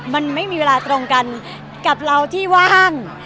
มันไม่มีเวลาตรงกันกับเราที่ว่าง